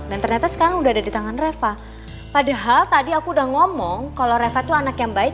dan ternyata sekarang udah ada di tangan reva padahal tadi aku udah ngomong kalau reva tuh anak yang baik